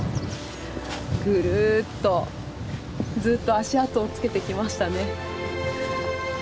ぐるっとずっと足跡をつけてきましたね。